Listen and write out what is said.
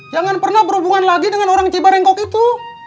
jangan pernah berhubungan lagi dengan orang cibarengkok itu